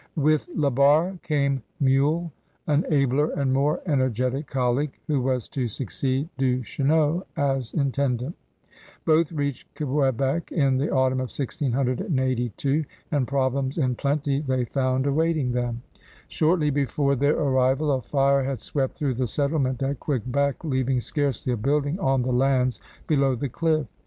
With La Barre came MeuUes, an abler and more energetic colleaguct who was to succeed Duchesneau as intendant. Both reached Quebec in the autumn of 1682, and problems in plenty they found awaiting them. Shortly before their arrival a fire had swept through the settlement at QuebeCt leaving scarcely a building on the lands below the cliff.